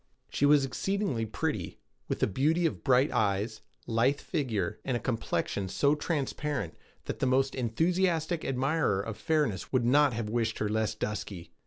She was exceedingly pretty, with the beauty of bright eyes, lithe figure, and a complexion so transparent that the most enthusiastic admirer of fairness would not have wished her less dusky.